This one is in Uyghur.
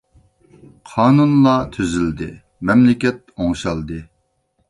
قانۇنلا تۈزۈلدى مەملىكەت ئوڭشالدى.